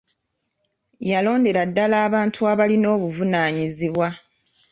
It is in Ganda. Yalondera ddala abantu abalina obuvunaanyizibwa.